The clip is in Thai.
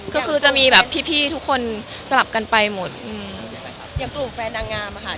ก็คือจะมีแบบพี่พี่ทุกคนสลับกันไปหมดอืมอย่างกลุ่มแฟนนางงามอะค่ะ